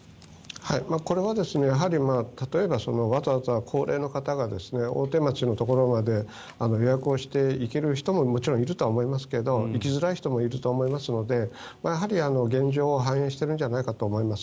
これは、やはりわざわざ高齢の方が大手町のところまで予約をして行ける人ももちろんいると思いますけれど行きづらい人もいると思いますのでやはり現状を反映しているんじゃないかと思います。